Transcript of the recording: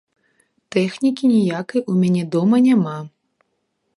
Тэхнікі ніякай у мяне дома няма.